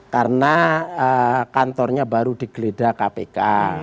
karena kantornya baru dikelida kpk